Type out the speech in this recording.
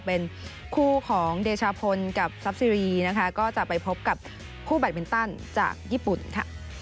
เป็นคู่ของเดชาพลกับซับซีรีนะคะก็จะไปพบกับคู่แบตมินตันจากญี่ปุ่นค่ะ